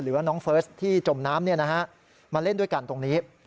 หรือว่าน้องเฟิร์สที่จมน้ำมาเล่นด้วยกันตรงนี้